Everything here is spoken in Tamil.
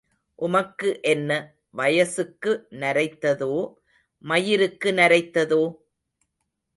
உமக்கு என்ன, வயசுக்கு நரைத்ததோ, மயிருக்கு நரைத்ததோ?